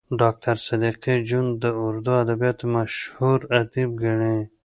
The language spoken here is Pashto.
ډاکټر صدیقي جون د اردو ادبياتو مشهور ادیب ګڼي